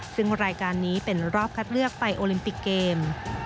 ซึ่งรายการนี้เป็นรอบคัดเลือกไปโอลิมปิกเกม